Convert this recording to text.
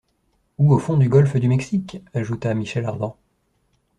Ou au fond du golfe du Mexique? ajouta Michel Ardan.